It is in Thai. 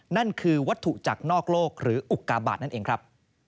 นั่นคือวัตถุจากนอกโลกหรืออุกาบาทนั่นเองครับ